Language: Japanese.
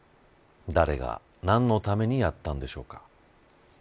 誰が何のためにやったのでしょうか。